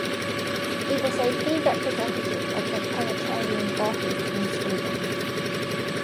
He was a key representative of the proletarian authors in Sweden.